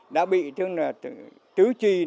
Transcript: đã bị tứ chi